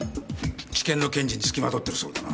地検の検事につきまとってるそうだな？